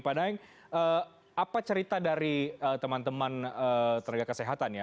pak daeng apa cerita dari teman teman tenaga kesehatan ya